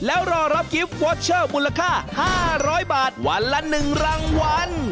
แล้วรอรับกิฟต์วอเชอร์มูลค่า๕๐๐บาทวันละ๑รางวัล